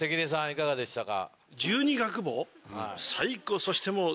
いかがでしたか？